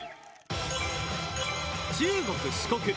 中国・四国。